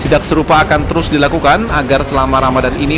sidak serupa akan terus dilakukan agar selama ramadan ini